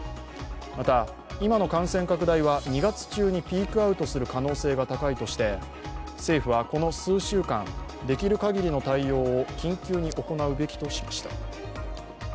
また今の感染拡大は２月中にピークアウトする可能性が高いとして政府はこの数週間できるかぎりの対応を緊急に行うべきとしました。